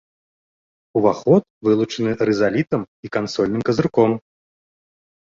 Уваход вылучаны рызалітам і кансольным казырком.